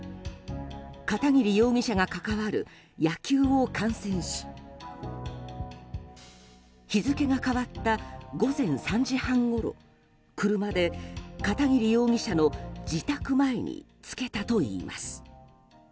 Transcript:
片桐容疑者が関わる野球を観戦し日付が変わった午前３時半ごろ車で片桐容疑者の自宅前につけたといいます。